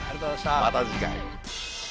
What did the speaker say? また次回。